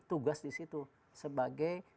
tugas di situ sebagai